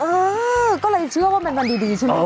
เออก็เลยเชื่อว่าเป็นวันดีใช่ไหม